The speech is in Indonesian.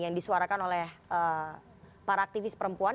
yang disuarakan oleh para aktivis perempuan